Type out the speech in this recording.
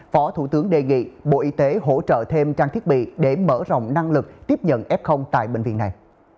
phó thủ tướng đề nghị bộ y tế hỗ trợ thêm trang thiết bị để mở rộng năng lực tiếp nhận f tại bệnh viện này